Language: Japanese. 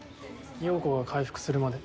葉子が回復するまで。